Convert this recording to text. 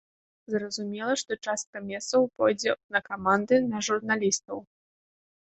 Зразумела, што частка месцаў пойдзе на каманды, на журналістаў.